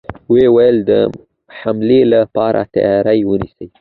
و يې ويل: د حملې له پاره تياری ونيسئ!